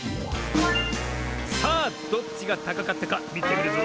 さあどっちがたかかったかみてみるぞ。